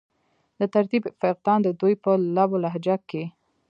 د تربيت فقدان د دوي پۀ لب و لهجه کښې